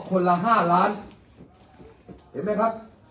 คนละห้าล้านเห็นไหมครับท่านเศรีเห็งไหมครับ